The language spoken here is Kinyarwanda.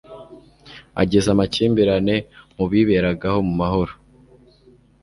agateza amakimbirane mu biberagaho mu mahoro